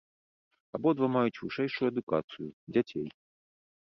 Абодва маюць вышэйшую адукацыю, дзяцей.